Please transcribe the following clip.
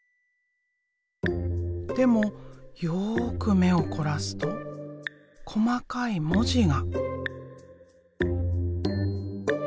でもよく目を凝らすと細かい文字が。